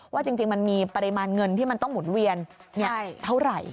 จริงมันมีปริมาณเงินที่มันต้องหมุนเวียนเท่าไหร่